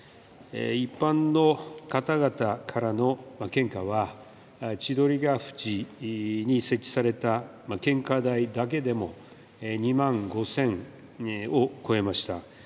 一般の方々からの献花は千鳥ヶ淵に設置された献花台だけでも２万５０００を超えました。